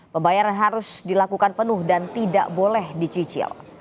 pembayaran harus dilakukan penuh dan tidak boleh dicicil